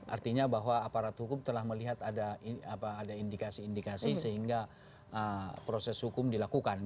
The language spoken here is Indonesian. artinya bahwa aparat hukum telah melihat ada indikasi indikasi sehingga proses hukum dilakukan